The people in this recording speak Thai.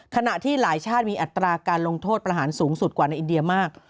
ขณะที่หลายชาติมีอัตราการลงโทษประหารสูงสุดกว่าในอินเดียมาก